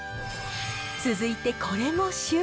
続いてこれも旬。